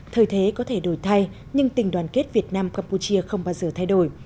thời thế có thể đổi thay nhưng tình đoàn kết việt nam campuchia không bao giờ thay đổi